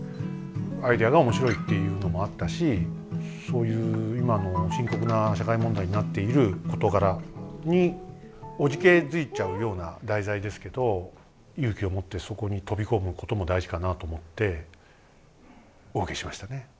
アイデアが面白いっていうのもあったしそういう今の深刻な社会問題になっている事柄におじけづいちゃうような題材ですけど勇気を持ってそこに飛び込むことも大事かなと思ってお受けしましたね。